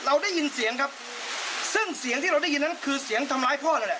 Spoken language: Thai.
เราได้ยินเสียงครับซึ่งเสียงที่เราได้ยินนั้นคือเสียงทำร้ายพ่อนั่นแหละ